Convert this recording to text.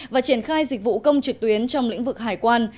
và triển khai dịch vụ công trực tuyến trong lĩnh vực hải quan